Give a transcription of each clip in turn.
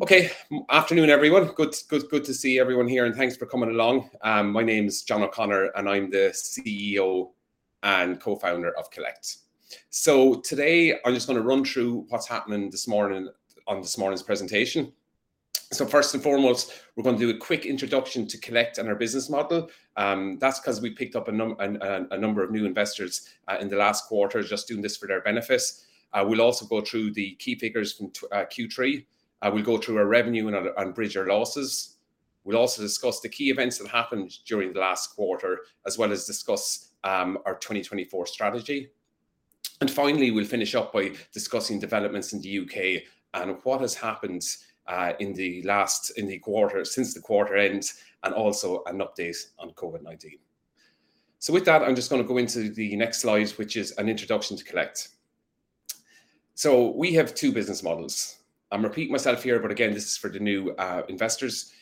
Okay. Afternoon, everyone. Good to see everyone here. Thanks for coming along. My name's John O'Connor, and I'm the CEO and Co-founder of Kollect. Today I'm just going to run through what's happening this morning on this morning's presentation. First and foremost, we're going to do a quick introduction to Kollect and our business model. That's because we picked up a number of new investors in the last quarter, just doing this for their benefits. We'll also go through the key figures from Q3. We'll go through our revenue and bridge our losses. We'll also discuss the key events that happened during the last quarter, as well as discuss our 2024 strategy. Finally, we'll finish up by discussing developments in the U.K. and what has happened in the last, in the quarter, since the quarter end, and also an update on COVID-19. With that, I'm just gonna go into the next slide, which is an introduction to Kollect. We have two business models. I'm repeating myself here, but again, this is for the new investors.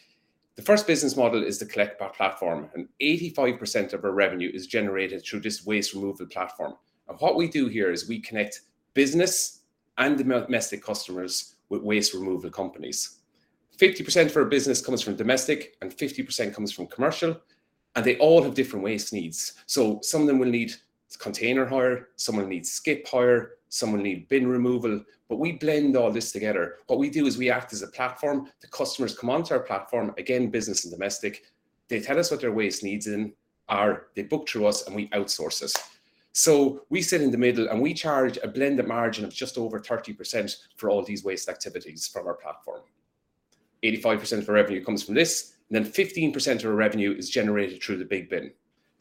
The first business model is the Kollect platform. 85% of our revenue is generated through this waste removal platform. What we do here is we connect business and domestic customers with waste removal companies. 50% of our business comes from domestic. 50% comes from commercial. They all have different waste needs. Some of them will need container hire, some will need skip hire, some will need bin removal, but we blend all this together. What we do is we act as a platform. The customers come onto our platform, again, business and domestic. They tell us what their waste needs in, are, they book through us, and we outsource this. We sit in the middle, and we charge a blended margin of just over 30% for all of these waste activities from our platform. 85% of our revenue comes from this, and then 15% of our revenue is generated through the BIGbin.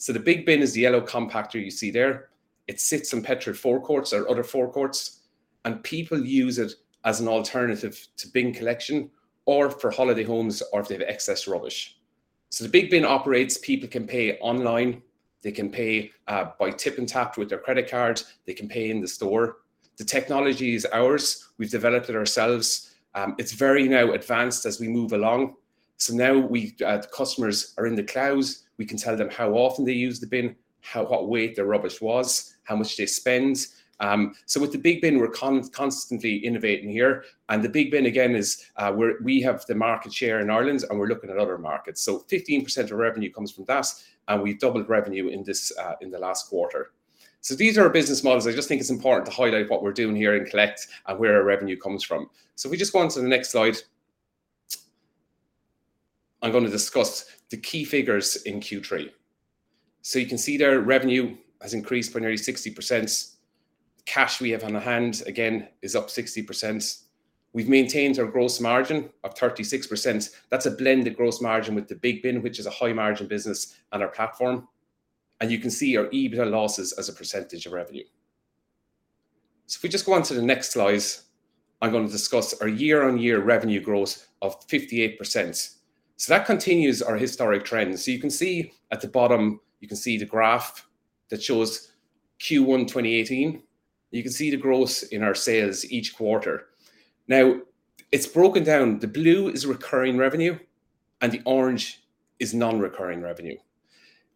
The BIGbin is the yellow compactor you see there. It sits on petrol forecourts or other forecourts, and people use it as an alternative to bin collection or for holiday homes or if they have excess rubbish. The BIGbin operates, people can pay online, they can pay by tip and tap with their credit card, they can pay in the store. The technology is ours. We've developed it ourselves. It's very now advanced as we move along. Now we the customers are in the clouds, we can tell them how often they use the bin, what weight their rubbish was, how much they spend. With the BIGbin, we're constantly innovating here, and the BIGbin, again, is we have the market share in Ireland, and we're looking at other markets. 15% of our revenue comes from that, and we've doubled revenue in this in the last quarter. These are our business models. I just think it's important to highlight what we're doing here in Kollect and where our revenue comes from. If we just go on to the next slide, I'm gonna discuss the key figures in Q3. You can see there revenue has increased by nearly 60%. Cash we have on hand, again, is up 60%. We've maintained our gross margin of 36%. That's a blended gross margin with the BIGbin, which is a high-margin business, and our platform. You can see our EBITDA losses as a percentage of revenue. If we just go onto the next slide, I'm gonna discuss our year-on-year revenue growth of 58%. That continues our historic trends. You can see, at the bottom, you can see the graph that shows Q1 2018. You can see the growth in our sales each quarter. Now, it's broken down. The blue is recurring revenue, and the orange is non-recurring revenue.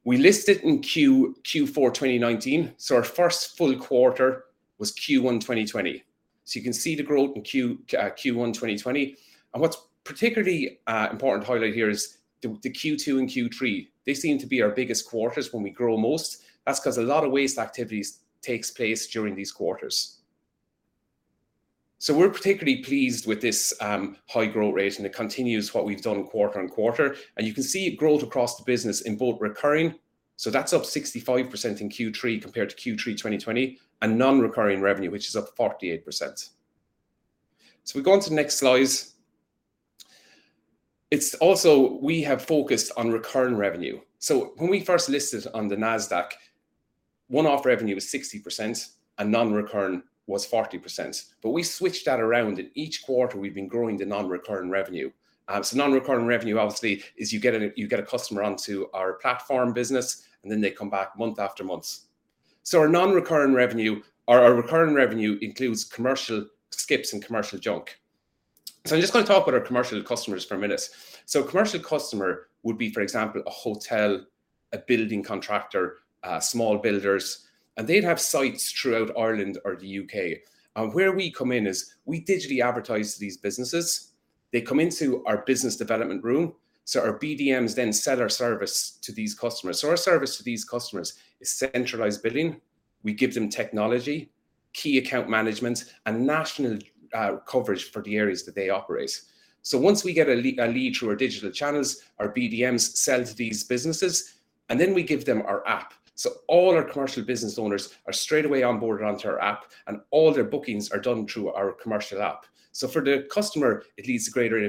We listed in Q4 2019, so our first full quarter was Q1 2020. You can see the growth in Q1 2020. What's particularly important to highlight here is the Q2 and Q3. They seem to be our biggest quarters when we grow most. That's 'cause a lot of waste activities takes place during these quarters. We're particularly pleased with this high growth rate, and it continues what we've done quarter-over-quarter. You can see growth across the business in both recurring, so that's up 65% in Q3 compared to Q3 2020, and non-recurring revenue, which is up 48%. We go onto the next slide. It's also we have focused on recurring revenue. When we first listed on the Nasdaq, one-off revenue was 60% and non-recurring was 40%, we switched that around, each quarter we've been growing the non-recurring revenue. Non-recurring revenue obviously is you get a customer onto our platform business, and then they come back month after month. Our recurring revenue includes commercial skips and commercial junk. I'm just gonna talk about our commercial customers for a minute. A commercial customer would be, for example, a hotel, a building contractor, small builders, and they'd have sites throughout Ireland or the U.K. Where we come in is we digitally advertise to these businesses. They come into our business development room. Our BDMs then sell our service to these customers. Our service to these customers is centralized billing, we give them technology, key account management, and national coverage for the areas that they operate. Once we get a lead through our digital channels, our BDMs sell to these businesses, and then we give them our app. All our commercial business owners are straightaway onboarded onto our app, and all their bookings are done through our commercial app. For the customer, it leads to greater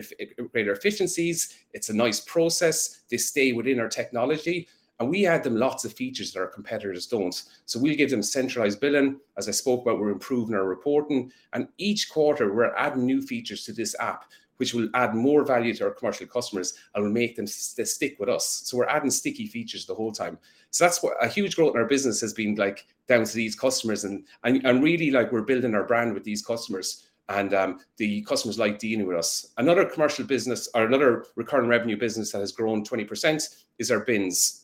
efficiencies, it's a nice process, they stay within our technology, and we add them lots of features that our competitors don't. We'll give them centralized billing. As I spoke about, we're improving our reporting. Each quarter, we're adding new features to this app, which will add more value to our commercial customers and will make them stick with us. We're adding sticky features the whole time. That's what a huge growth in our business has been, like, down to these customers and really, like, we're building our brand with these customers, and the customers like dealing with us. Another commercial business or another recurring revenue business that has grown 20% is our bins.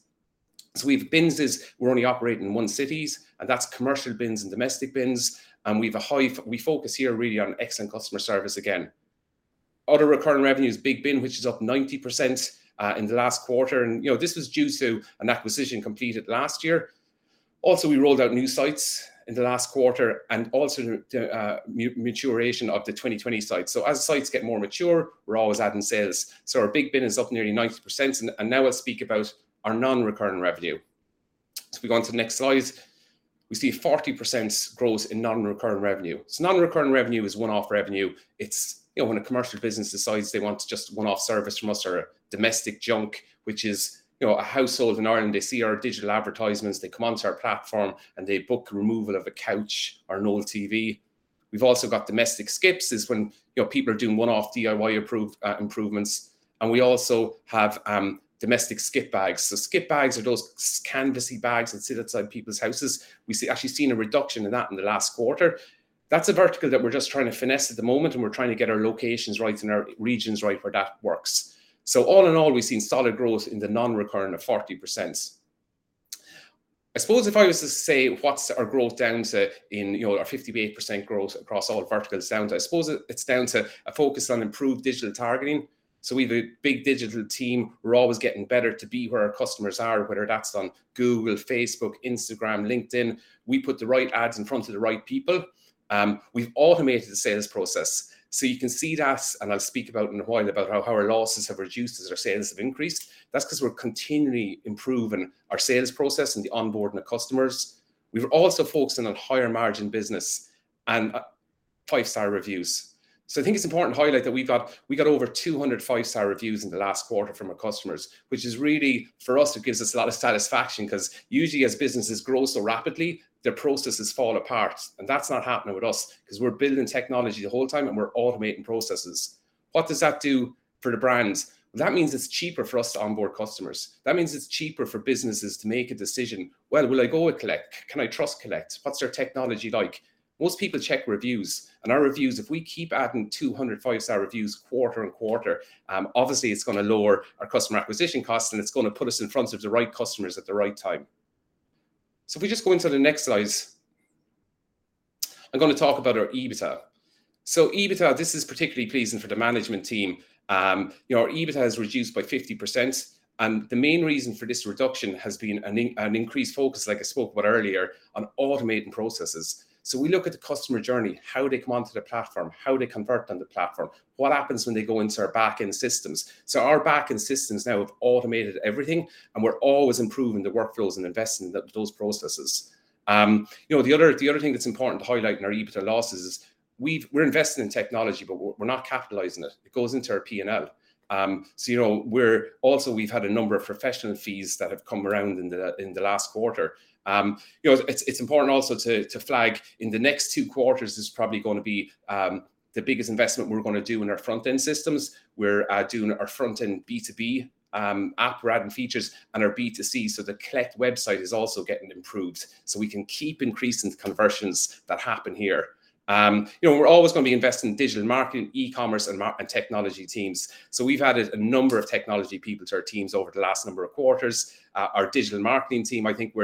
We only operate in one city, that's commercial bins and domestic bins, and we've a high focus here really on excellent customer service again. Other recurring revenues, BIGbin, which is up 90% in the last quarter. You know, this was due to an acquisition completed last year. We rolled out new sites in the last quarter and also maturation of the 2020 sites. As sites get more mature, we're always adding sales. Our BIGbin is up nearly 90%. Now I'll speak about our non-recurring revenue. If we go on to the next slide, we see 40% growth in non-recurring revenue. Non-recurring revenue is one-off revenue. It's, you know, when a commercial business decides they want just one-off service from us or domestic junk, which is, you know, a household in Ireland, they see our digital advertisements, they come onto our platform, and they book removal of a couch or an old TV. We've also got domestic skips, is when, you know, people are doing one-off DIY improvements. We also have domestic skip bags. Skip bags are those canvassy bags that sit outside people's houses. We actually seen a reduction in that in the last quarter. That's a vertical that we're just trying to finesse at the moment, and we're trying to get our locations right and our regions right where that works. All in all, we've seen solid growth in the non-recurring of 40%. I suppose if I was to say what's our growth down to in, you know, our 58% growth across all verticals down to, I suppose it's down to a focus on improved digital targeting. We've a big digital team. We're always getting better to be where our customers are, whether that's on Google, Facebook, Instagram, LinkedIn. We put the right ads in front of the right people. We've automated the sales process. You can see that, and I'll speak about in a while about how our losses have reduced as our sales have increased. That's because we're continually improving our sales process and the onboarding of customers. We've also focused in on higher margin business and five-star reviews. I think it's important to highlight that we got over 200 five-star reviews in the last quarter from our customers, which is really, for us, it gives us a lot of satisfaction because usually as businesses grow so rapidly, their processes fall apart. That's not happening with us because we're building technology the whole time and we're automating processes. What does that do for the brands? That means it's cheaper for us to onboard customers. That means it's cheaper for businesses to make a decision. "Will I go with Kollect? Can I trust Kollect? What's their technology like?" Most people check reviews, and our reviews, if we keep adding 200 five-star reviews quarter-on-quarter, obviously it's gonna lower our customer acquisition cost, and it's gonna put us in front of the right customers at the right time. If we just go into the next slide, I'm gonna talk about our EBITDA. EBITDA, this is particularly pleasing for the management team. You know, our EBITDA has reduced by 50%, and the main reason for this reduction has been an increased focus, like I spoke about earlier, on automating processes. We look at the customer journey, how they come onto the platform, how they convert on the platform, what happens when they go into our back-end systems. Our back-end systems now have automated everything, and we're always improving the workflows and investing at those processes. You know, the other thing that's important to highlight in our EBITDA losses is we're investing in technology, but we're not capitalizing it. It goes into our P&L. You know, also, we've had a number of professional fees that have come around in the, in the last quarter. You know, it's important also to flag in the next two quarters is probably gonna be the biggest investment we're gonna do in our front-end systems. We're doing our front-end B2B app, we're adding features, and our B2C, so the Kollect website is also getting improved, so we can keep increasing the conversions that happen here. You know, we're always gonna be investing in digital marketing, e-commerce and technology teams. We've added a number of technology people to our teams over the last number of quarters. Our digital marketing team, I think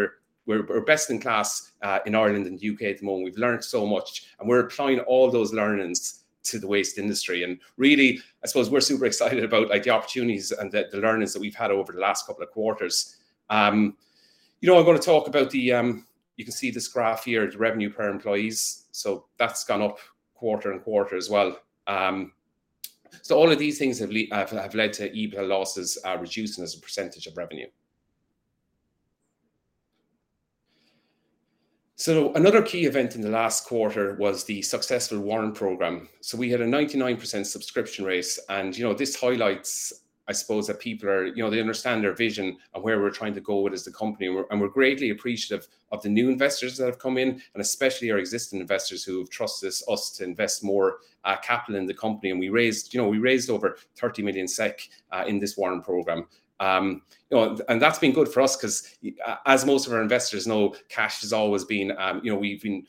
we're best in class in Ireland and U.K. at the moment. We've learned so much, and we're applying all those learnings to the waste industry. Really, I suppose we're super excited about, like, the opportunities and the learnings that we've had over the last couple of quarters. You know, I'm going to talk about the. You can see this graph here, the revenue per employees. That's gone up quarter-on-quarter as well. All of these things have led to EBITDA losses reducing as a percentage of revenue. Another key event in the last quarter was the successful warrant program. We had a 99% subscription rate, and, you know, this highlights, I suppose, that you know, they understand our vision and where we're trying to go with as the company. We're greatly appreciative of the new investors that have come in, and especially our existing investors who have trusted us to invest more capital in the company. We raised, you know, we raised over 30 million SEK in this warrant program. You know, that's been good for us because, as most of our investors know, cash has always been, you know, we've been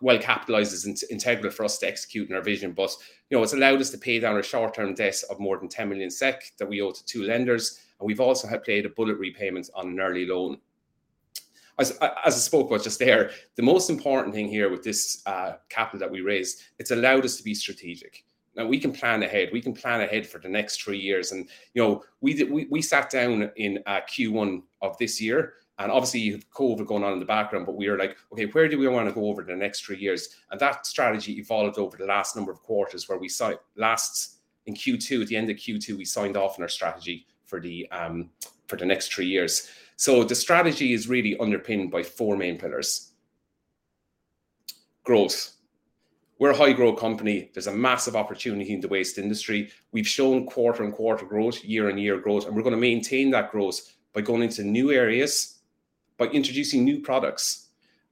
well capitalized. It's integral for us to execute on our vision. You know, it's allowed us to pay down our short-term debts of more than 10 million SEK that we owe to two lenders, and we've also helped pay the bullet repayments on an early loan. As I spoke about just there, the most important thing here with this capital that we raised, it's allowed us to be strategic. Now we can plan ahead. We can plan ahead for the next three years. you know, we sat down in Q1 of this year, and obviously you have COVID-19 going on in the background, but we were like, "Okay, where do we want to go over the next three years?" That strategy evolved over the last number of quarters, where we signed last in Q2, at the end of Q2, we signed off on our strategy for the next three years. The strategy is really underpinned by four main pillars. Growth. We're a high-growth company. There's a massive opportunity in the waste industry. We've shown quarter-over-quarter growth, year-over-year growth, and we're going to maintain that growth by going into new areas, by introducing new products.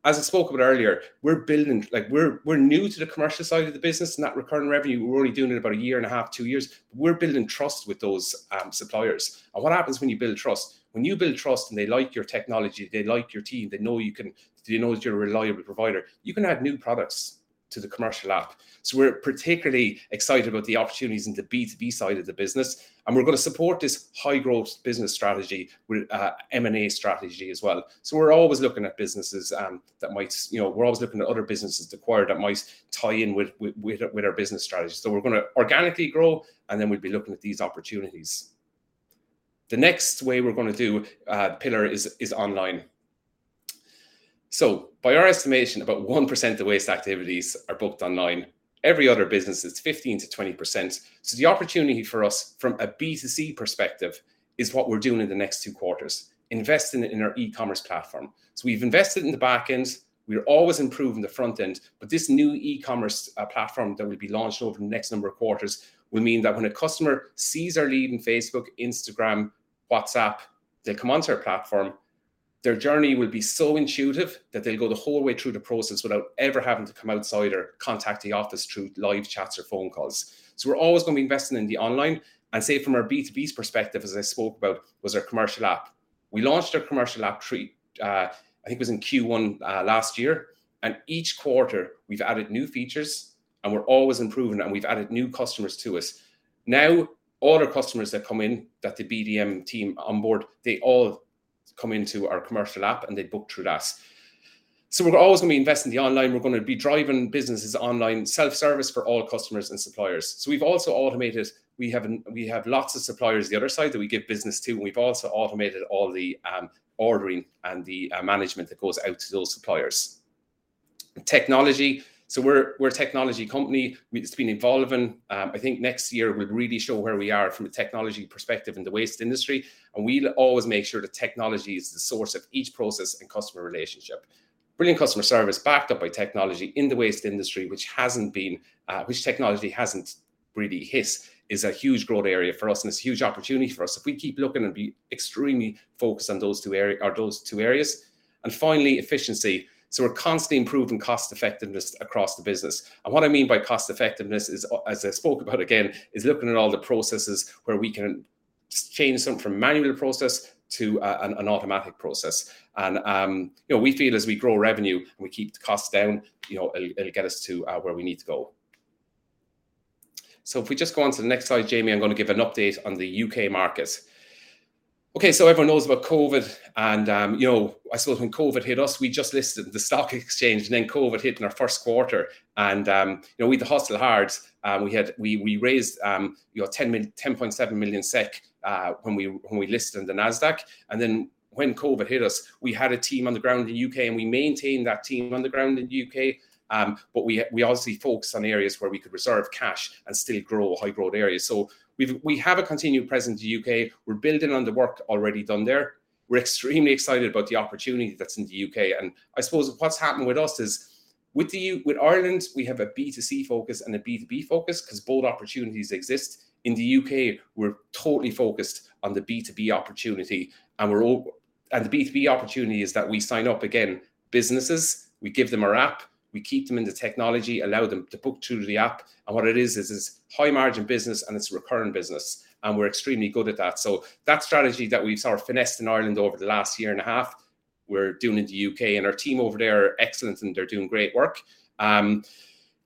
As I spoke about earlier, we're new to the commercial side of the business and that recurring revenue. We're only doing it about a year and a half- two years. We're building trust with those suppliers. What happens when you build trust? When you build trust and they like your technology, they like your team, they know that you're a reliable provider, you can add new products to the commercial app. We're particularly excited about the opportunities in the B2B side of the business, and we're gonna support this high-growth business strategy with M&A strategy as well. We're always looking at businesses, that might, you know, we're always looking at other businesses to acquire that might tie in with our business strategy. We're going to organically grow. Then we'd be looking at these opportunities. The next way we're going to do a pillar is online. By our estimation, about 1% of the waste activities are booked online. Every other business is 15%-20%. The opportunity for us from a B2C perspective is what we're doing in the next two quarters, investing in our e-commerce platform. We've invested in the back end, we're always improving the front end, but this new e-commerce platform that will be launched over the next number of quarters will mean that when a customer sees our lead in Facebook, Instagram, WhatsApp, they come onto our platform, their journey will be so intuitive that they'll go the whole way through the process without ever having to come outside or contact the office through live chats or phone calls. We're always gonna be investing in the online, and say from our B2B perspective, as I spoke about, was our commercial app. We launched our commercial app first, I think it was in Q1 last year. Each quarter we've added new features, we're always improving, we've added new customers to us. Now, all our customers that come in, that the BDM team onboard, they all come into our commercial app, they book through that. We're always gonna be investing in the online. We're gonna be driving businesses online, self-service for all customers and suppliers. We've also automated. We have lots of suppliers the other side that we give business to, we've also automated all the ordering and the management that goes out to those suppliers. Technology. We're a technology company. It's been evolving. I think next year we'll really show where we are from a technology perspective in the waste industry, and we'll always make sure the technology is the source of each process and customer relationship. Brilliant customer service backed up by technology in the waste industry, which technology hasn't really hit, is a huge growth area for us, and it's a huge opportunity for us if we keep looking and be extremely focused on those two areas. Finally, efficiency. We're constantly improving cost-effectiveness across the business. What I mean by cost-effectiveness is, as I spoke about again, is looking at all the processes where we can change them from manual process to an automatic process. You know, we feel as we grow revenue and we keep the costs down, you know, it'll get us to where we need to go. If we just go on to the next slide, Jamie, I'm gonna give an update on the U.K. market. Everyone knows about COVID-19. You know, I suppose when COVID-19 hit us, we just listed the stock exchange, and then COVID-19 hit in our first quarter. You know, we had to hustle hard. We raised, you know, 10.7 million SEK when we listed in the Nasdaq. When COVID-19 hit us, we had a team on the ground in the U.K., and we maintained that team on the ground in the U.K. We obviously focused on areas where we could reserve cash and still grow high growth areas. We have a continued presence in the U.K. We're building on the work already done there. We're extremely excited about the opportunity that's in the U.K. I suppose what's happened with us is with Ireland, we have a B2C focus and a B2B focus, because both opportunities exist. In the U.K., we're totally focused on the B2B opportunity. The B2B opportunity is that we sign up, again, businesses, we give them our app, we keep them in the technology, allow them to book through the app. What it is, it's high margin business, and it's recurring business, and we're extremely good at that. That strategy that we've sort of finessed in Ireland over the last year and a half, we're doing in the U.K., and our team over there are excellent, and they're doing great work.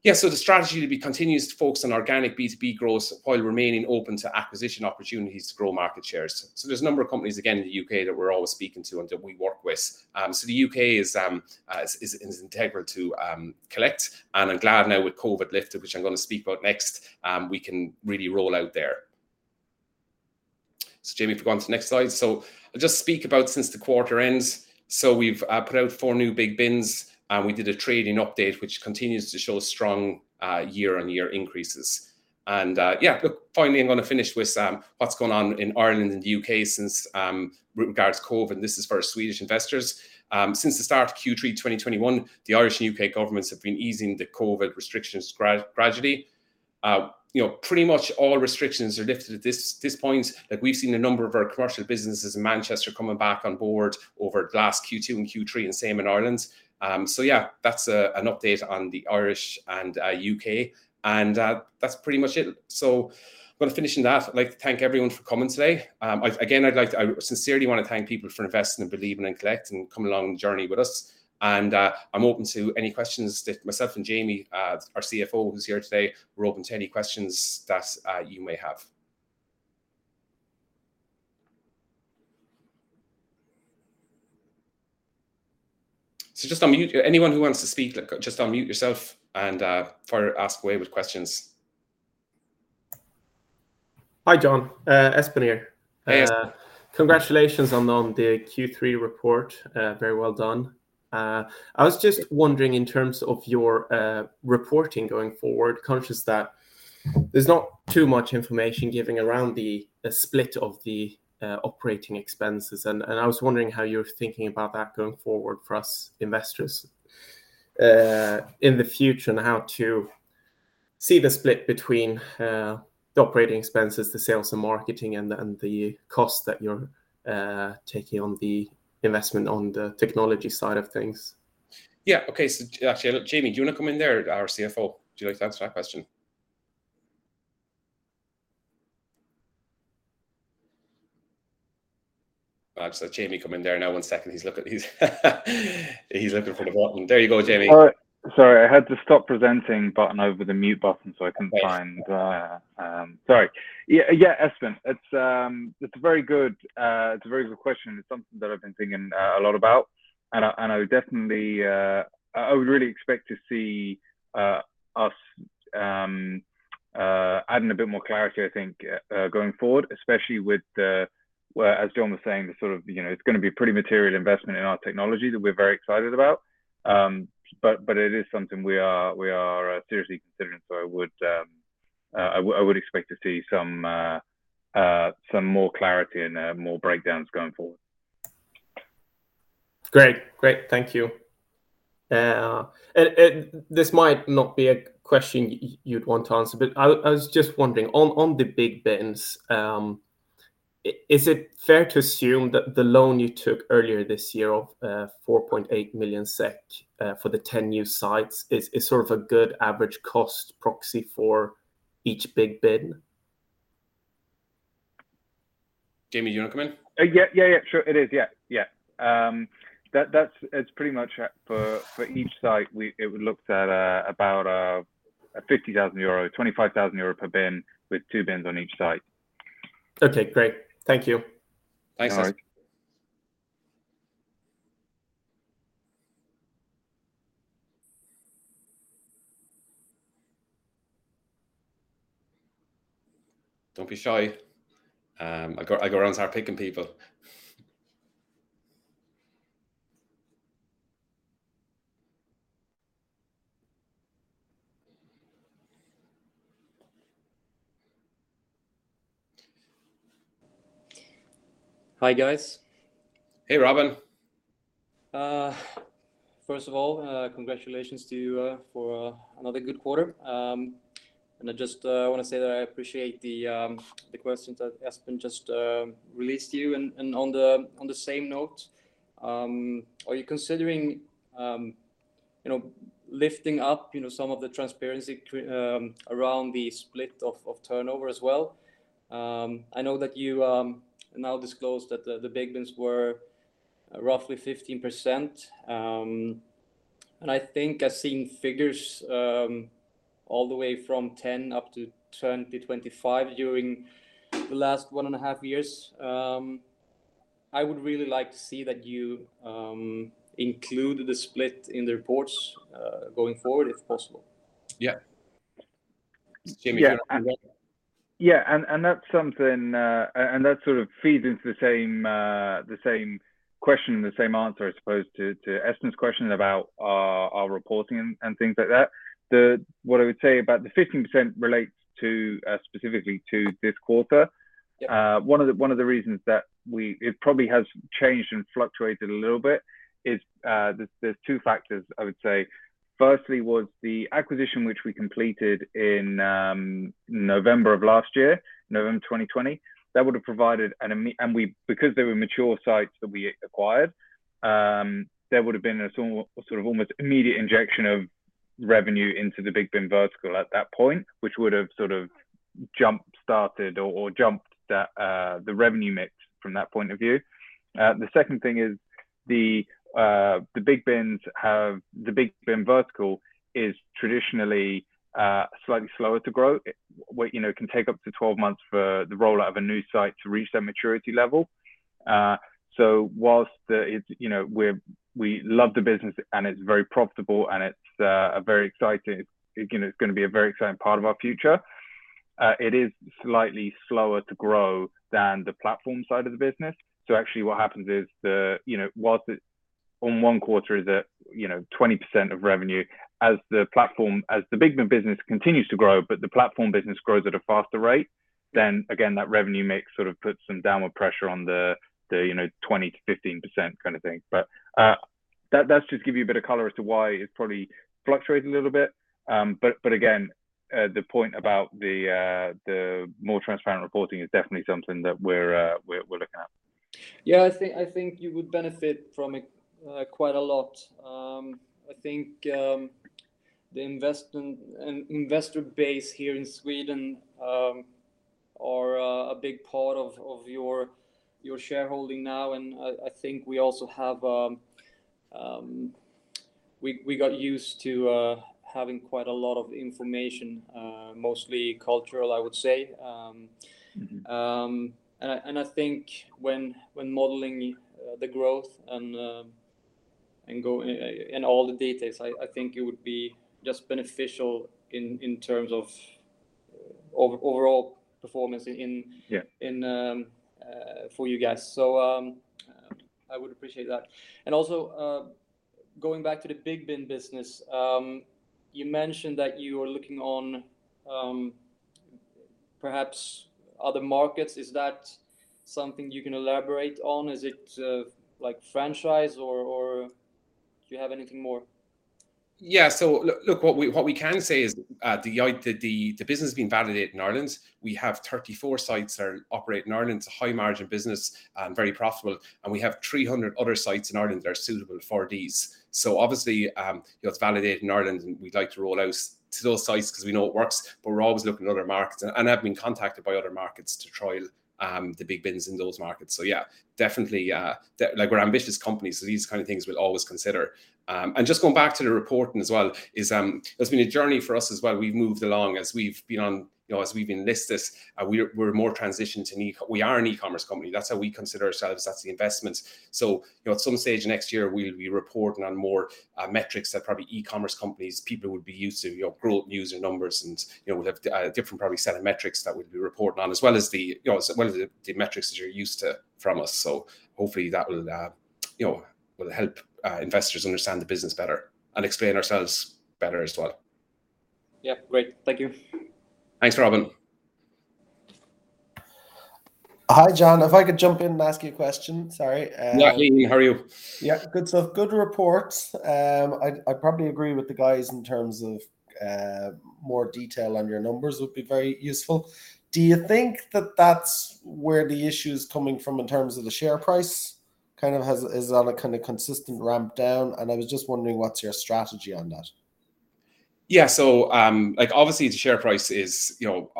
The strategy will be continuous to focus on organic B2B growth while remaining open to acquisition opportunities to grow market shares. There's a number of companies, again, in the U.K. that we're always speaking to and that we work with. The U.K. is integral to Kollect, and I'm glad now with COVID lifted, which I'm gonna speak about next, we can really roll out there. Jamie, if we go on to the next slide. I'll just speak about since the quarter ends. We've put out four new BIGbins, and we did a trading update, which continues to show strong year-on-year increases. Yeah, look, finally, I'm gonna finish with what's gone on in Ireland and the U.K. since regards COVID-19, and this is for our Swedish investors. Since the start of Q3 2021, the Irish and U.K. governments have been easing the COVID-19 restrictions gradually. You know, pretty much all restrictions are lifted at this point. Like, we've seen a number of our commercial businesses in Manchester coming back on board over last Q2 and Q3, and same in Ireland. Yeah, that's an update on the Irish and U.K., and that's pretty much it. I'm gonna finish on that. I'd like to thank everyone for coming today. I sincerely wanna thank people for investing and believing in Kollect and coming along the journey with us. Myself and Jamie, our CFO, who's here today, we're open to any questions that you may have. Just unmute. Anyone who wants to speak, like, just unmute yourself and fire, ask away with questions. Hi, John. Espen here. Hey, Espen. Congratulations on the Q3 report. Very well done. I was just wondering in terms of your reporting going forward, conscious that there's not too much information given around the split of the operating expenses, and I was wondering how you're thinking about that going forward for us investors in the future, and how to see the split between the operating expenses, the sales and marketing, and the cost that you're taking on the investment on the technology side of things. Yeah. Okay. Actually, look, Jamie, do you wanna come in there, our CFO? Would you like to answer that question? I've just let Jamie come in there now. One second. He's looking for the button. There you go, Jamie. All right. Sorry, I had the stop presenting button over the mute button, so I couldn't find the. Yes. Sorry. Yeah, yeah, Espen, it's a very good, it's a very good question, and it's something that I've been thinking a lot about. I, and I would definitely, I would really expect to see us adding a bit more clarity, I think, going forward, especially with the where as John was saying, the sort of, you know, it's gonna be a pretty material investment in our technology that we're very excited about. It is something we are seriously considering, so I would, I would expect to see some more clarity and more breakdowns going forward. Great. Great. Thank you. This might not be a question you'd want to answer, but I was just wondering, on the BIGbins, is it fair to assume that the loan you took earlier this year of 4.8 million SEK for the 10 new sites is sort of a good average cost proxy for each BIGbin? Jamie, do you wanna come in? Yeah. Yeah, sure. It is, yeah. That's pretty much it. For each site, it looked at about 50,000 euro, 25,000 euro per bin, with two bins on each site. Okay, great. Thank you. Thanks, Espen. All right. Don't be shy. I go around start picking people. Hi, guys. Hey, Robin. First of all, congratulations to you for another good quarter. I just wanna say that I appreciate the questions that Espen just released to you. On the same note, are you considering, you know, lifting up, you know, some of the transparency around the split of turnover as well? I know that you now disclosed that the BIGbin were roughly 15%. I think I've seen figures all the way from 10% up to 25% during the last one and a half years. I would really like to see that you include the split in the reports going forward, if possible. Yeah. Jamie, do you wanna have a go? Yeah, that's something, and that sort of feeds into the same question and the same answer, I suppose, to Espen's question about our reporting and things like that. What I would say about the 15% relates to specifically to this quarter. Yeah. One of the reasons that it probably has changed and fluctuated a little bit is, there's two factors, I would say. Firstly was the acquisition which we completed in November of last year, November 2020. Because they were mature sites that we acquired, there would've been an almost immediate injection of revenue into the BIGbin vertical at that point, which would've sort of jump-started or jumped that the revenue mix from that point of view. The second thing is the BIGbin vertical is traditionally slightly slower to grow. Well, you know, can take up to 12 months for the rollout of a new site to reach that maturity level. It's, you know, we're... we love the business and it's very profitable and it's a very exciting it's going to be a very exciting part of our future, it is slightly slower to grow than the platform side of the business. actually what happens is the, you know, whilst on one quarter is at, you know, 20% of revenue, as the BIGbin business continues to grow but the platform business grows at a faster rate, that revenue mix sort of puts some downward pressure on the, you know, 20%-15% kind of thing. that's just to give you a bit of color as to why it probably fluctuates a little bit. the point about the more transparent reporting is definitely something that we're looking at. Yeah. I think you would benefit from it, quite a lot. I think the investment and investor base here in Sweden are a big part of your shareholding now. I think we also have, we got used to having quite a lot of information, mostly cultural, I would say. Mm-hmm... and I think when modeling the growth and all the details, I think it would be just beneficial in terms of overall performance. Yeah in for you guys. I would appreciate that. Also, going back to the BIGbin business, you mentioned that you are looking on, perhaps other markets. Is that something you can elaborate on? Is it, like franchise or do you have anything more? Yeah. Look, what we, what we can say is, the business has been validated in Ireland. We have 34 sites that are operate in Ireland. It's a high margin business and very profitable, and we have 300 other sites in Ireland that are suitable for these. Obviously, you know, it's validated in Ireland and we'd like to roll out to those sites because we know it works, but we're always looking at other markets and have been contacted by other markets to trial, the BIGbins in those markets. Yeah, definitely, like, we're an ambitious company, so these kind of things we'll always consider. Just going back to the reporting as well, is, it's been a journey for us as well. We've moved along as we've been on, you know, as we've been listed, we're more transitioned to an e-commerce company. That's how we consider ourselves. That's the investment. You know, at some stage next year we'll be reporting on more metrics that probably e-commerce companies, people would be used to, you know, growth, user numbers, and, you know, we'll have different probably set of metrics that we'll be reporting on, as well as the, you know, as well as the metrics that you're used to from us. Hopefully that will, you know, will help investors understand the business better and explain ourselves better as well. Yeah. Great. Thank you. Thanks, Robin. Hi, John. If I could jump in and ask you a question. Sorry. No, [Ian], how are you? Good report. I probably agree with the guys in terms of more detail on your numbers would be very useful. Do you think that that's where the issue's coming from in terms of the share price? It is on a kind of consistent ramp down, and I was just wondering what's your strategy on that? Like, obviously the share price is, you know.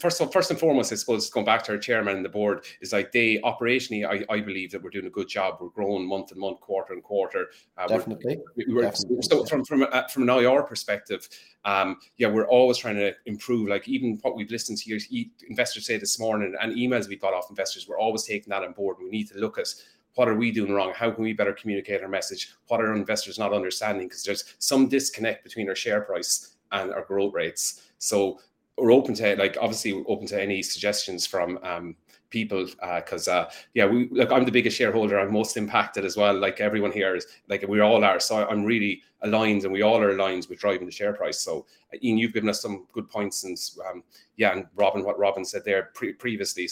First and foremost, I suppose going back to our chairman and the board is, like, they operationally, I believe that we're doing a good job. We're growing month-on-month, quarter-on-quarter. Definitely. Definitely. From an IR perspective, yeah, we're always trying to improve. Like, even what we've listened to investors say this morning and emails we've got from investors, we're always taking that on board, and we need to look at what are we doing wrong. How can we better communicate our message? What are investors not understanding? 'Cause there's some disconnect between our share price and our growth rates. We're open to, like, obviously we're open to any suggestions from people, 'cause, yeah. Look, I'm the biggest shareholder. I'm most impacted as well, like everyone here is. Like, we all are. I'm really aligned, and we all are aligned with driving the share price. Ian, you've given us some good points since, yeah, and Robin, what Robin said there previously.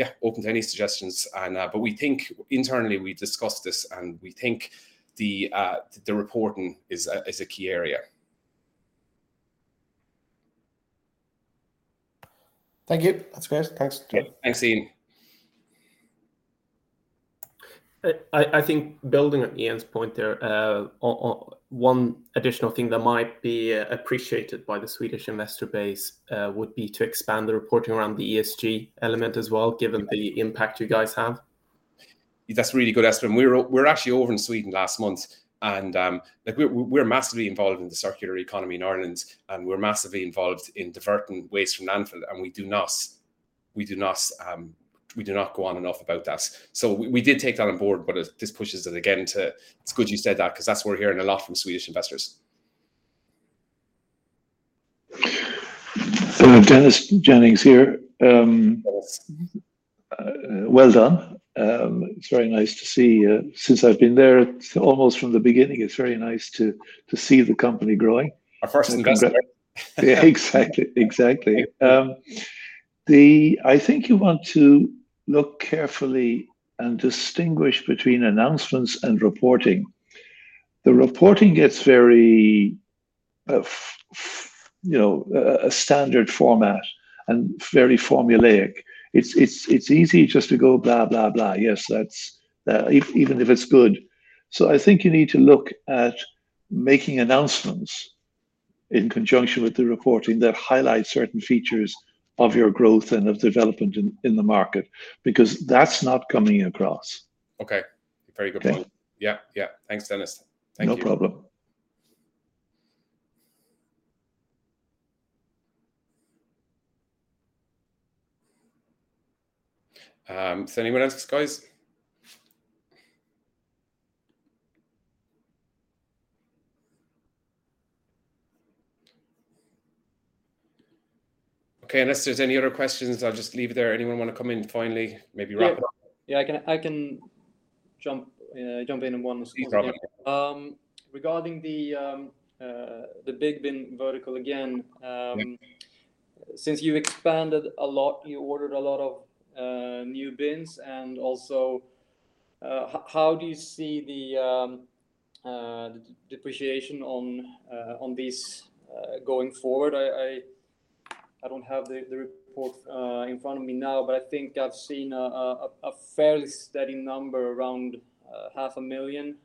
Yeah, open to any suggestions. We think Internally we've discussed this, and we think the reporting is a key area. Thank you. That's great. Thanks. Yeah. Thanks, Ian. I think building on Ian's point there, one additional thing that might be appreciated by the Swedish investor base, would be to expand the reporting around the ESG element as well, given the impact you guys have. That's really good, Espen. We were actually over in Sweden last month. Like, we're massively involved in the circular economy in Ireland. We're massively involved in diverting waste from landfill. We do not go on enough about that. We did take that on board. This pushes it again. It's good you said that because that's what we're hearing a lot from Swedish investors. Dennis Jennings here. Yes. Well done. It's very nice to see, since I've been there almost from the beginning, it's very nice to see the company growing. Our first investor. Yeah. Exactly. Exactly. I think you want to look carefully and distinguish between announcements and reporting. The reporting gets very you know, a standard format and very formulaic. It's easy just to go blah, blah. Yes, that's even if it's good. I think you need to look at making announcements in conjunction with the reporting that highlight certain features of your growth and of development in the market because that's not coming across. Okay. Very good point. Okay. Yeah. Yeah. Thanks, Dennis. Thank you. No problem. Is there anyone else, guys? Unless there's any other questions, I'll just leave it there. Anyone wanna come in finally? Maybe Robin. Yeah. Yeah. I can jump in on one small thing. Please, Robin. Regarding the BIGbin vertical again, since you expanded a lot, you ordered a lot of new bins and also how do you see the depreciation on these going forward? I don't have the report in front of me now, but I think I've seen a fairly steady number around 500,000.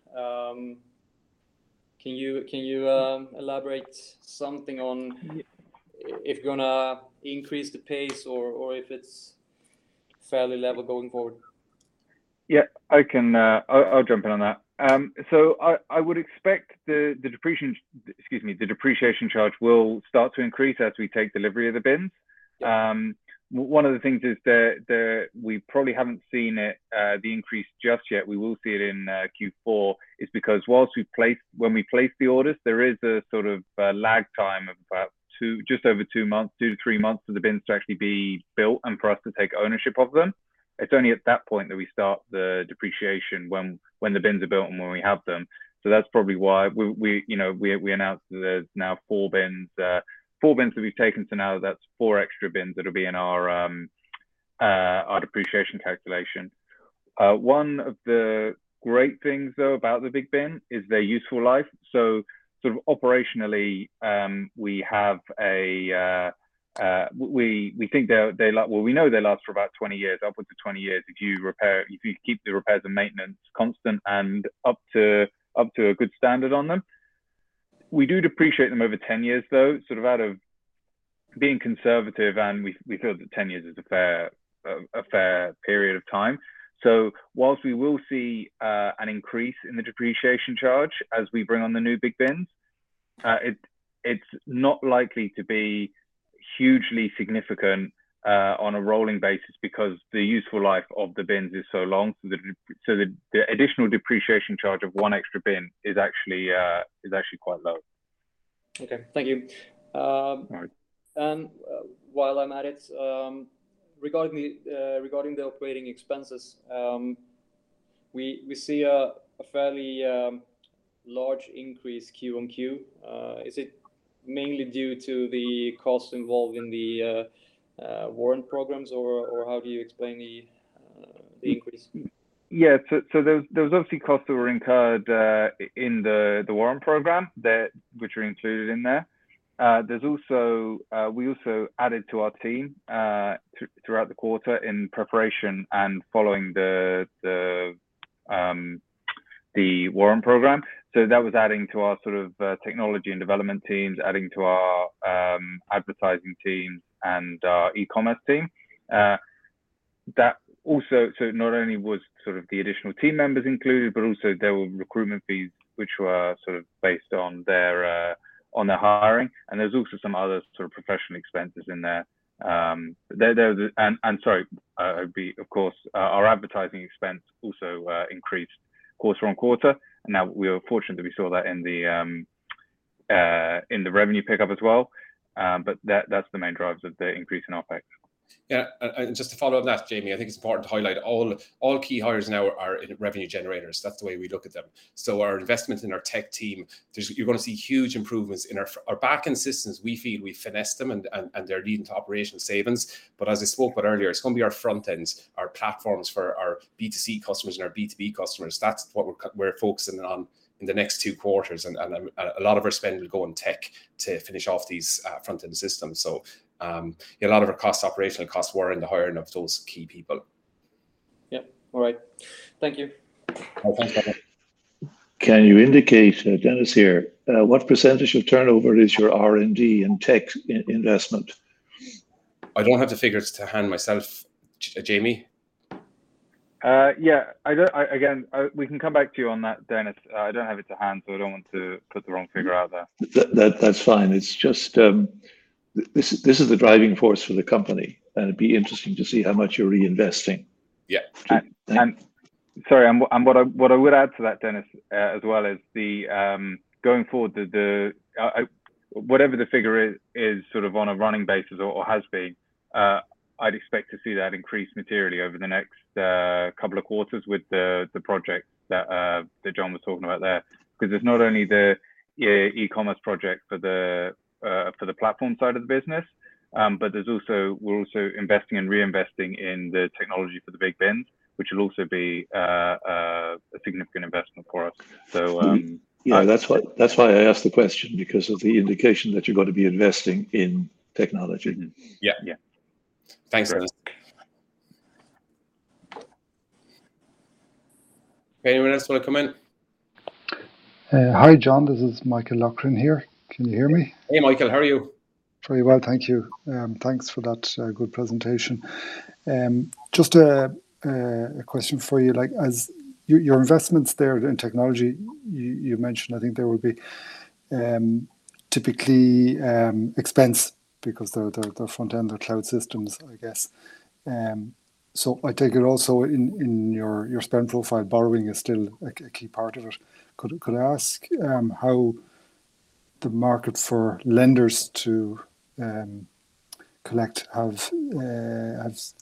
Can you elaborate something on if you're gonna increase the pace or if it's fairly level going forward? Yeah. I can, I'll jump in on that. I would expect the depreciation, excuse me, the depreciation charge will start to increase as we take delivery of the bins. Yeah. One of the things is that we probably haven't seen the increase just yet. We will see it in Q4. This is because when we place the orders, there is a sort of a lag time of about two, just over two months, two to three months for the bins to actually be built and for us to take ownership of them. It's only at that point that we start the depreciation when the bins are built and when we have them. So that's probably why we, you know, announced that there's now four bins that we've taken, so now that's four extra bins that'll be in our depreciation calculation. One of the great things though about the BIGbin is their useful life. Sort of operationally, we know they last for about 20 years, upwards of 20 years if you repair, if you keep the repairs and maintenance constant and up to a good standard on them. We do depreciate them over 10 years though, sort of out of being conservative, and we feel that 10 years is a fair period of time. Whilst we will see an increase in the depreciation charge as we bring on the new BIGbins, it's not likely to be hugely significant, on a rolling basis because the useful life of the bins is so long. The additional depreciation charge of one extra bin is actually quite low. Okay. Thank you. All right.... And while I'm at it, regarding the operating expenses, we see a fairly large increase Q-on-Q. Is it mainly due to the costs involved in the warrant programs or how do you explain the increase? There was obviously costs that were incurred in the warrant program that, which are included in there. There's also, we also added to our team throughout the quarter in preparation and following the warrant program. That was adding to our sort of technology and development teams, adding to our advertising teams and our e-commerce team. Not only was sort of the additional team members included, but also there were recruitment fees which were sort of based on their hiring, and there's also some other sort of professional expenses in there. Sorry, it would be, of course, our advertising expense also increased quarter-on-quarter, and that we were fortunate that we saw that in the revenue pickup as well. That, that's the main drivers of the increase in OpEX. Just to follow up on that, Jamie, I think it's important to highlight all key hires now are in revenue generators. That's the way we look at them. Our investment in our tech team, you're gonna see huge improvements in our backend systems, we feel we finessed them and they're leading to operational savings. As I spoke about earlier, it's gonna be our front ends, our platforms for our B2C customers and our B2B customers. That's what we're focusing on in the next two quarters, a lot of our spend will go on tech to finish off these front-end systems. A lot of our costs, operational costs were in the hiring of those key people. Yeah. All right. Thank you. Oh, thanks. Can you indicate, Dennis here, what percentage of turnover is your R&D and tech investment? I don't have the figures to hand myself. Jamie? Yeah. again, we can come back to you on that, Dennis. I don't have it to hand, so I don't want to put the wrong figure out there. That's fine. It's just, this is the driving force for the company. It'd be interesting to see how much you're reinvesting. Yeah. Sorry, what I would add to that, Dennis, as well is the whatever the figure is sort of on a running basis or has been, I'd expect to see that increase materially over the next couple of quarters with the project that John was talking about there. 'Cause it's not only the e-commerce project for the platform side of the business, but there's also, we're also investing and reinvesting in the technology for the BIGbin, which will also be a significant investment for us. Yeah. That's why I asked the question because of the indication that you're gonna be investing in technology. Yeah. Yeah. Thanks, Dennis. Anyone else wanna come in? Hi, John. This is Michael Loughran here. Can you hear me? Hey, Michael. How are you? Very well, thank you. Thanks for that good presentation. Just a question for you. Like, as you, your investments there in technology, you mentioned I think they would be typically expense because they're front end. They're cloud systems, I guess. I take it also in your spend profile, borrowing is still a key part of it. Could I ask how the market for lenders to Kollect has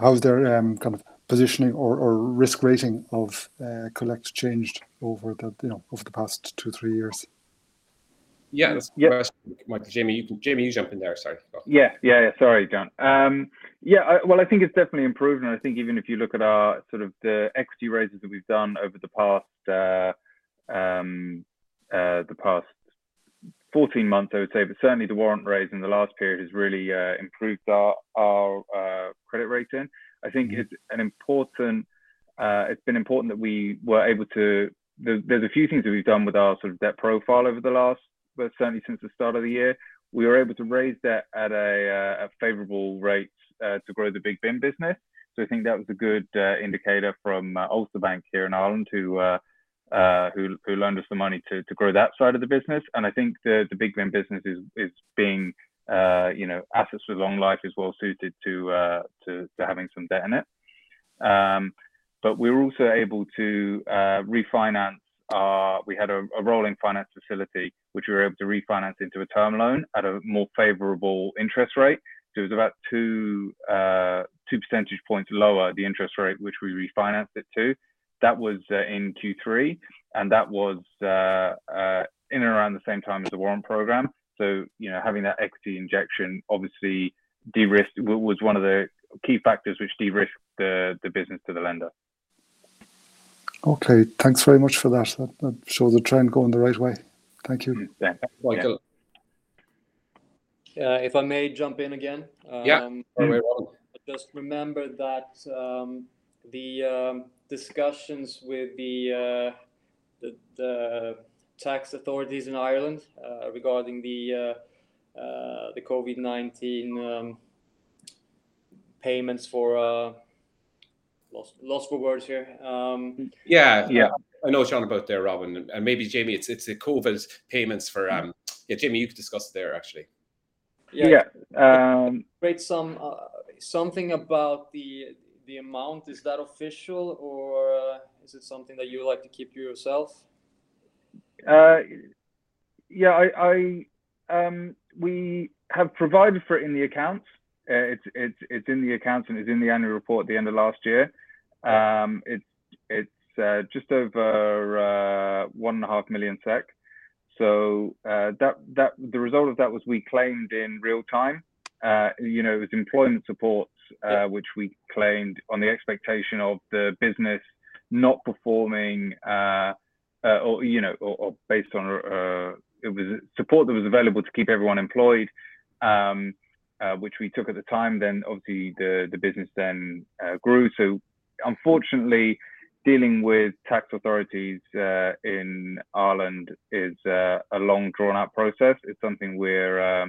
how's their kind of positioning or risk rating of Kollect changed over the, you know, over the past two, three years? Yeah. Yeah. That's for us. Michael, Jamie, you jump in there. Sorry. Go on. Yeah. Yeah, sorry, John. Yeah, I think it's definitely improved, and I think even if you look at our sort of the equity raises that we've done over the past, the past 14 months I would say, but certainly the warrant raise in the last period has really improved our credit rating. I think it's an important, it's been important that we were able to. There's a few things that we've done with our sort of debt profile over the last, well, certainly since the start of the year. We were able to raise debt at a favorable rate to grow the BIGbin business. I think that was a good indicator from Ulster Bank here in Ireland who loaned us the money to grow that side of the business. I think the BIGbin business is being, you know, assets with long life is well-suited to having some debt in it. We were also able to refinance a rolling finance facility which we were able to refinance into a term loan at a more favorable interest rate. It was about 2 percentage points lower, the interest rate which we refinanced it to. That was in Q3, that was in and around the same time as the warrant program. You know, having that equity injection obviously de-risked, was one of the key factors which de-risked the business to the lender. Okay. Thanks very much for that. That shows the trend going the right way. Thank you. Yeah. Thanks, Michael. Yeah. if I may jump in again. Yeah. You're very welcome. I just remembered that the discussions with the tax authorities in Ireland regarding the COVID-19. Lost for words here. Yeah, yeah.... uh- I know what you're on about there, Robin. Yeah, Jamie, you could discuss it there actually. Yeah. Read some, something about the amount. Is that official or, is it something that you would like to keep to yourself? Yeah, I, we have provided for it in the accounts. It's in the accounts and it's in the annual report at the end of last year. It's just over 1.5 million SEK. That. The result of that was we claimed in real time, you know, it was employment support- Yeah... which we claimed on the expectation of the business not performing. It was support that was available to keep everyone employed, which we took at the time, then obviously the business then grew. Unfortunately dealing with tax authorities in Ireland is a long drawn-out process. It's something we're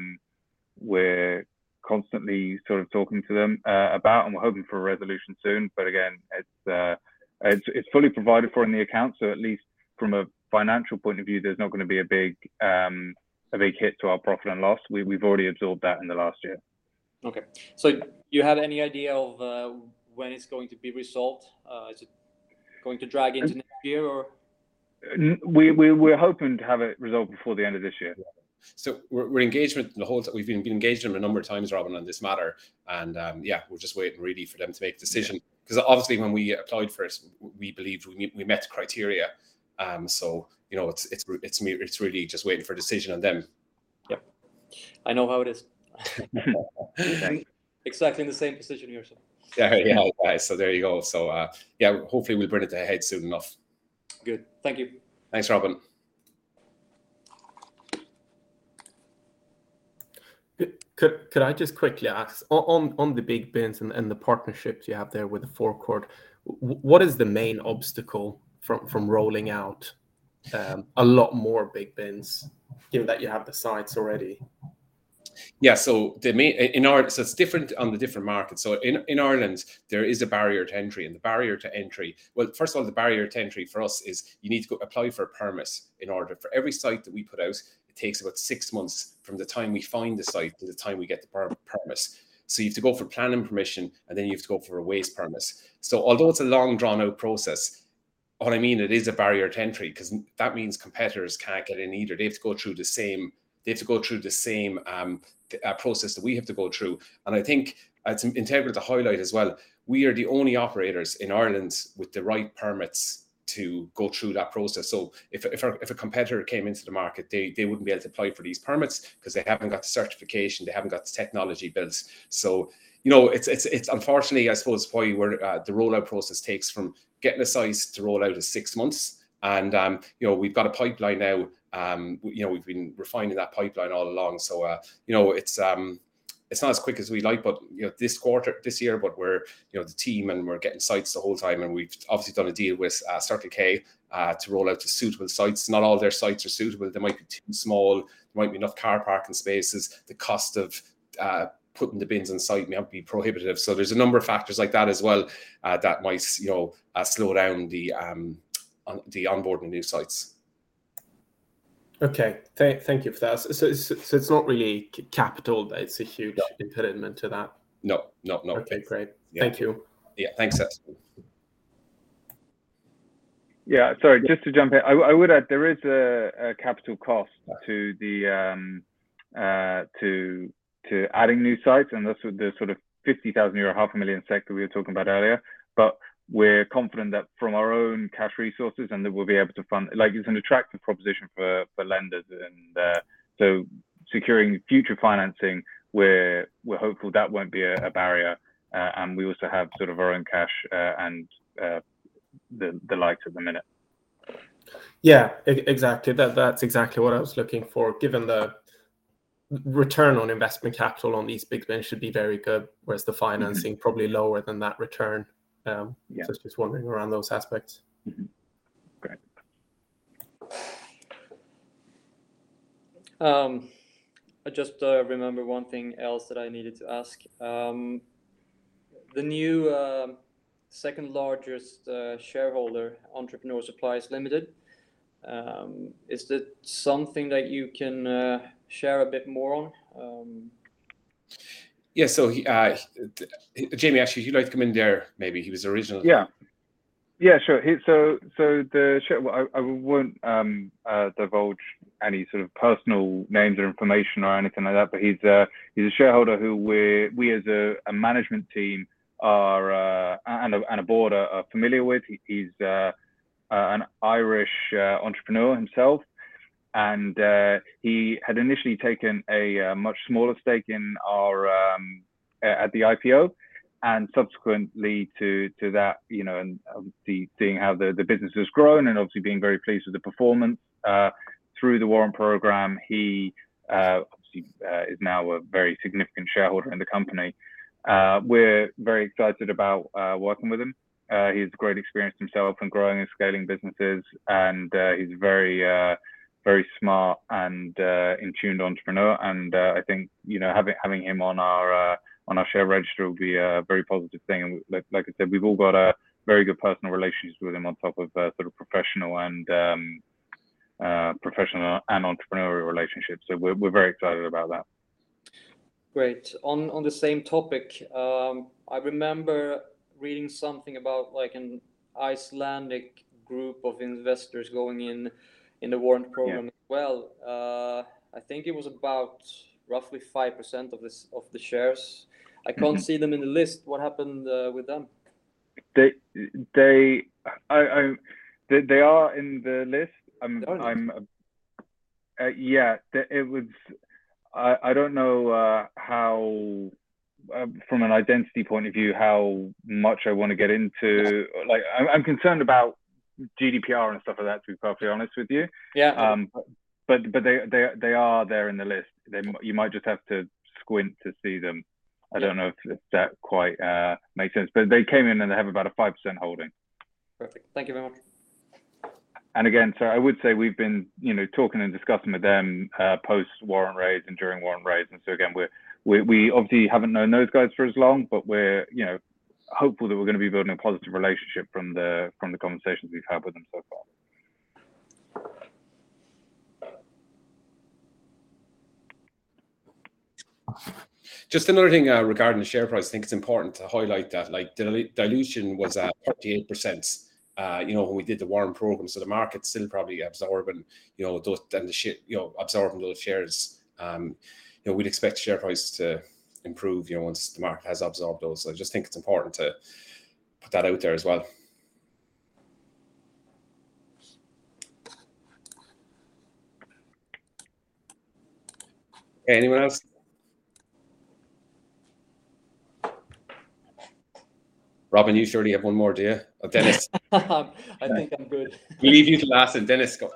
constantly sort of talking to them about, and we're hoping for a resolution soon, but again, it's fully provided for in the account, so at least from a financial point of view, there's not gonna be a big, a big hit to our profit and loss. We've already absorbed that in the last year. Okay. Do you have any idea of, when it's going to be resolved? Is it going to drag into next year or? We're hoping to have it resolved before the end of this year. We’ve been engaged with them a number of times, Robin, on this matter and, yeah, we’re just waiting really for them to make the decision. Yeah. Cause obviously when we applied first, we believed we met the criteria. You know, it's really just waiting for a decision on them. Yep. I know how it is. Exactly in the same position here, so. Yeah. Yeah. There you go. Yeah, hopefully we'll bring it to a head soon enough. Good. Thank you. Thanks, Robin. Could I just quickly ask, on the BIGbin and the partnerships you have there with forecourt, what is the main obstacle from rolling out a lot more BIGbins given that you have the sites already? In Ireland. It's different on the different markets. In Ireland there is a barrier to entry, and the barrier to entry. Well, first of all, the barrier to entry for us is you need to go apply for a permit in order. For every site that we put out, it takes about six months from the time we find the site to the time we get the permit. You have to go for planning permission, then you have to go for a waste permit. Although it's a long drawn out process, what I mean, it is a barrier to entry 'cause that means competitors can't get in either. They have to go through the same process that we have to go through, and I think it's integral to highlight as well, we are the only operators in Ireland with the right permits to go through that process. If a competitor came into the market, they wouldn't be able to apply for these permits 'cause they haven't got the certification, they haven't got the technology built. You know, it's unfortunately, I suppose for you where the rollout process takes from getting a site to rollout is six months, and you know, we've got a pipeline now, you know, we've been refining that pipeline all along. You know, it's not as quick as we'd like, but, you know, this quarter, this year, but we're, you know, the team and we're getting sites the whole time and we've obviously done a deal with Circle K to roll out to suitable sites. Not all their sites are suitable. They might be too small, there mightn't be enough car parking spaces, the cost of putting the bins on site might be prohibitive. There's a number of factors like that as well that might you know, slow down the onboarding of new sites. Okay. Thank you for that. It's not really capital that's a huge- No impediment to that? No. No, I don't think so. Okay, great. Yeah. Thank you. Yeah, thanks, [Espen]. Yeah. Sorry, just to jump in. I would add there is a capital cost to adding new sites, that's the sort of 50,000 euro/ SEK 500,000 that we were talking about earlier. We're confident that from our own cash resources and that we'll be able to fund. Like it's an attractive proposition for lenders and securing future financing, we're hopeful that won't be a barrier. We also have sort of our own cash and the likes at the minute. Yeah. Exactly. That's exactly what I was looking for, given the return on investment capital on these BIGbins should be very good, whereas the financing probably lower than that return. Yeah I was just wondering about those aspects. Mm-hmm. Great. I just remember one thing else that I needed to ask. The new second largest shareholder, Entrepreneur Supplies Limited, is that something that you can share a bit more on? Yeah. Jamie, actually, if you'd like to come in there maybe. He was originally. Yeah. Yeah, sure. I won't divulge any sort of personal names or information or anything like that, but he's a shareholder who we as a management team are and a board are familiar with. He's an Irish entrepreneur himself and he had initially taken a much smaller stake in our at the IPO and subsequently to that, you know, and obviously seeing how the business has grown and obviously being very pleased with the performance through the warrant program. He obviously is now a very significant shareholder in the company. We're very excited about working with him. He has great experience himself in growing and scaling businesses and he's very, very smart and in-tuned entrepreneur and I think, you know, having him on our on our share register will be a very positive thing and like I said, we've all got a very good personal relationships with him on top of sort of professional and entrepreneurial relationships, so we're very excited about that. Great. On the same topic, I remember reading something about, like, an Icelandic group of investors going in in the warrant program. Yeah. Well, I think it was about roughly 5% of this, of the shares. Mm-hmm. I can't see them in the list. What happened with them? They are in the list. Are they? I'm. Yeah. I don't know how from an identity point of view, how much I wanna get into. Yeah. Like, I'm concerned about GDPR and stuff like that, to be perfectly honest with you. Yeah. They are there in the list. You might just have to squint to see them. Yeah. I don't know if that quite makes sense, but they came in and they have about a 5% holding. Perfect. Thank you very much. I would say we've been, you know, talking and discussing with them, post-warrant raise and during warrant raise. Again, we obviously haven't known those guys for as long, but we're, you know, hopeful that we're gonna be building a positive relationship from the conversations we've had with them so far. Just another thing, regarding the share price, I think it's important to highlight that, like, dilution was at 38%, you know, when we did the warrant program, so the market's still probably absorbing, you know, then the shares, you know, absorbing those shares. You know, we'd expect share price to improve, you know, once the market has absorbed those. I just think it's important to put that out there as well. Okay. Anyone else? Robin, you surely have one more, do you? Or Dennis? I think I'm good. We'll leave you to last then. Dennis, go.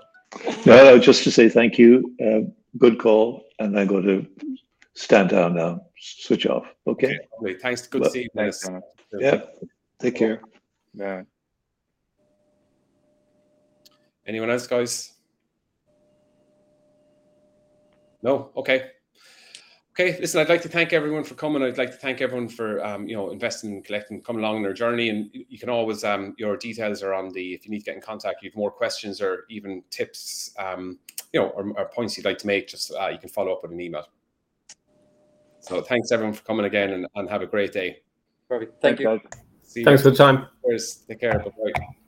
No, just to say thank you. Good call, and I'm going to stand down now, switch off. Okay? Okay. Great. Thanks. Good to see you, Dennis. Bye. Thanks, Dennis. Yeah. Take care. Bye. Anyone else, guys? No? Okay. Okay. Listen, I'd like to thank everyone for coming. I'd like to thank everyone for, you know, investing, Kollect, coming along on our journey, and you can always, your details are on the If you need to get in contact, you have more questions or even tips, you know, or points you'd like to make, just you can follow up with an email. Thanks everyone for coming again, and have a great day. Perfect. Thank you. Thanks, guys. See you. Thanks for the time. Of course. Take care. Bye-bye.